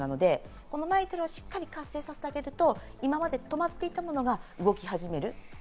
このＭＩＴＯＬをしっかり活性させてあげると、今まで止まっていたものが動き始める。